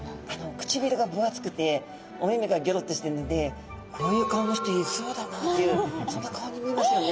くちびるが分厚くてお目目がぎょろってしてるのでこういう顔の人いそうだなっていうそんな顔に見えますよね。